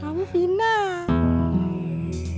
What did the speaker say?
kamu ingat sama aku kan